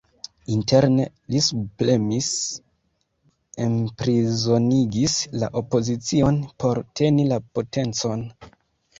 Interne, li subpremis, enprizonigis la opozicion, por teni la potencon.